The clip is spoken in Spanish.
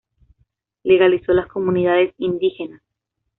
Legalizó las comunidades indígenas.